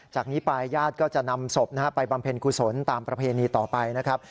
จากนี้ไปญาติก็จะนำศพไปบำเพ็ญกุศลตามประเพณีต่อไปนะครับ